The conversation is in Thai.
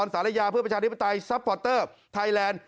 ซับพอร์เตอร์ไทยแลนด์